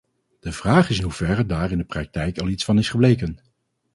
De vraag is in hoeverre daar in de praktijk al iets van is gebleken?